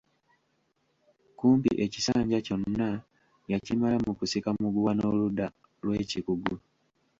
Kumpi ekisanja kyonna yakimala mu kusika muguwa n’oludda lw’ekikugu.